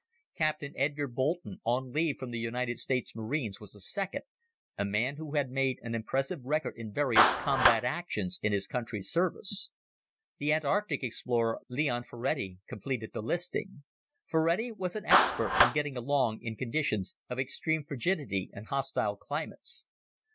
Captain Edgar Boulton, on leave from the United States Marines, was the second a man who had made an impressive record in various combat actions in his country's service. The Antarctic explorer, Leon Ferrati, completed the listing. Ferrati was an expert on getting along in conditions of extreme frigidity and hostile climates.